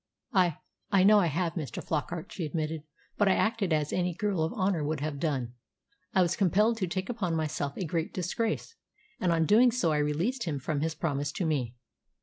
"I I know I have, Mr. Flockart," she admitted. "But I acted as any girl of honour would have done. I was compelled to take upon myself a great disgrace, and on doing so I released him from his promise to me."